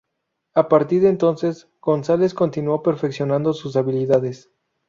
A partir de entonces, Gonzales continuó perfeccionando sus habilidades.